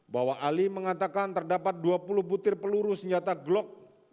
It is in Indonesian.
bahwa ali mengatakan terdapat dua puluh butir peluru senjata glock